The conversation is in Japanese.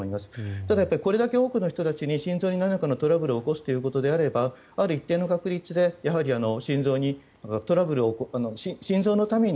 ただ、これだけ多くの人たちに心臓になんらかのトラブルを起こすということであればある一定の確率でやはり心臓にトラブルを起こす心臓のために